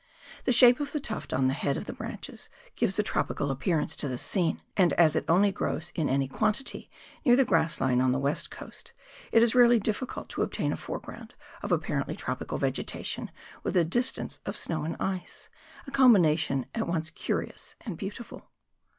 The shape of the tuft on the end of the branches gives a tropical appearance to the scene, and as it only grows in any quantity near the grass line on the West Coast, it is rarely difficult to obtain a foreground of apparently tropical vegetation with a distance of snow and ice — a combina tion at once curious and beautiful.